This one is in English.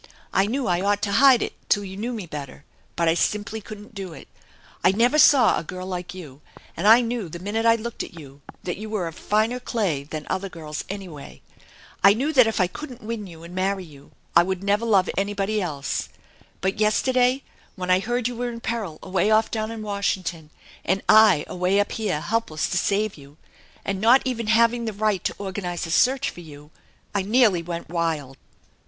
I knew I ought to hide it till you knew me better, but I simply couldn't do it. I never saw a girl like you, and I knew the minute I looked at you that you were of finer clay than other girls, anyway. I knew that if I couldn't win you and marry you I would never love anybody else. But yesterday when I heard you were in peril away off down in Washington and I away up here helpless to save you, a^d not even having the right to organize a search for you, I nearly went wild!